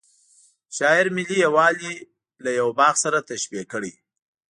شاعر ملي یوالی له یوه باغ سره تشبه کړی.